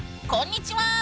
こんにちは！